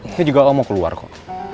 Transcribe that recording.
ini juga om mau keluar kok